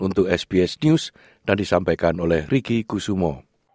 untuk sbs dan disampaikan oleh riki kusumo